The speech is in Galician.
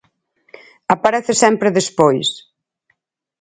Aparece sempre despois.